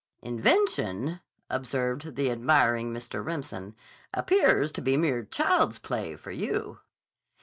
"Invention," observed the admiring Mr. Remsen, "appears to be mere child's play for you."